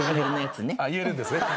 言えるんですね。